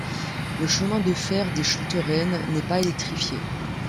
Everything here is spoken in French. Le Chemin de fer des Chanteraines n'est pas électrifié.